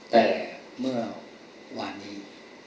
แต่เมื่อวานนี้